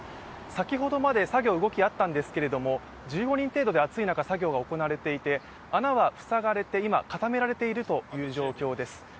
先ほどまで作業、動きがあったんですけれども１５人程度で、暑い中、作業が行われていて、穴は塞がれて今固められているという状況です。